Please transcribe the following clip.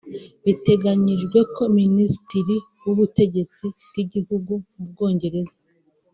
Biteganyijwe ko Minisitiri w’Ubutegetsi bw’Igihugu mu Bwongereza